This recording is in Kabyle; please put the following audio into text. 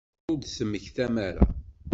Ayɣer ur d-temmektam ara?